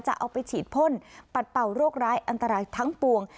จะเอาไปฉีดพ่นปัดเป่าโรคร้ายอันตรายทั้งปวง